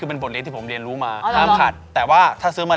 เออมองปุ๊บเนี่ยแม่อร่อยมากเลยนะแม่